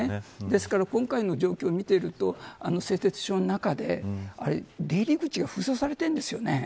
ですから今回の状況を見ていると製鉄所の中で、出入り口が封鎖されているんですよね。